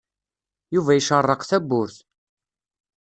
Yuba icerreq tawwurt.